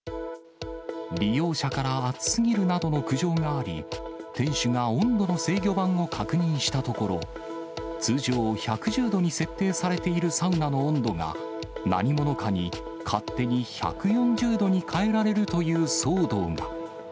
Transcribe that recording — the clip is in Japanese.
利用者から熱すぎるなどの苦情があり、店主が温度の制御盤を確認したところ、通常１１０度に設定されているサウナの温度が、何者かに、勝手に１４０度に変えられるという騒動が。